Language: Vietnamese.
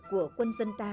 của quân dân ta